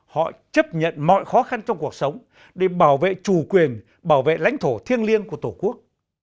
họ chấp nhận mọi khó khăn trong cuộc sống để bảo vệ chủ quyền bảo vệ lãnh thổ thiêng liêng của tổ quốc